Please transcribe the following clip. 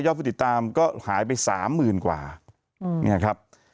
ผู้ติดตามก็หายไปสามหมื่นกว่าเนี่ยครับ